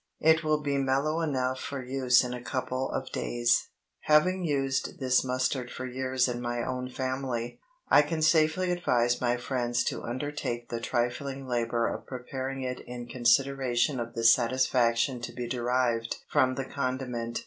It will be mellow enough for use in a couple of days. Having used this mustard for years in my own family, I can safely advise my friends to undertake the trifling labor of preparing it in consideration of the satisfaction to be derived from the condiment.